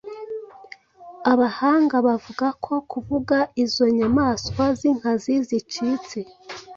abahanga bavuga ko kuva izo nyamaswa zinkazi zicitse